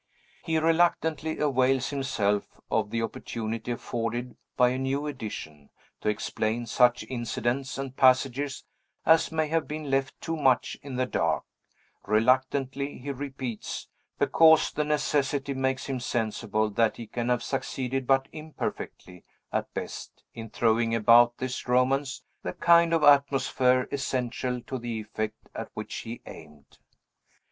He reluctantly avails himself of the opportunity afforded by a new edition, to explain such incidents and passages as may have been left too much in the dark; reluctantly, he repeats, because the necessity makes him sensible that he can have succeeded but imperfectly, at best, in throwing about this Romance the kind of atmosphere essential to the effect at which he aimed.